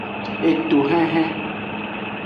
Etohenhen.